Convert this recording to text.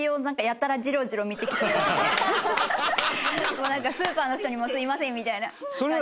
もう、なんかスーパーの人にもすみませんみたいな感じで。